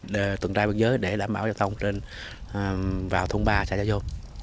từ tuần ra biên giới để đảm bảo giao thông vào thôn ba trải ra vô